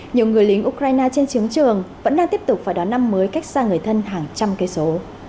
nhiều người lính ukraine trên chiếng trường vẫn đang tiếp tục phải đón năm mới cách xa người thân hàng trăm cây số